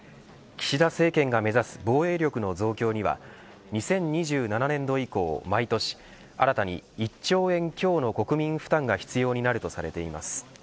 岸田政権が目指す防衛力の増強には２０２７年度以降毎年新たに１兆円強の国民負担が必要になるとされています。